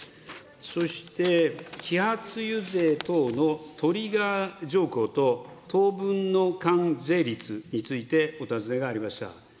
そして揮発油税等のトリガー条項と、当分の間税率についてお尋ねがありました。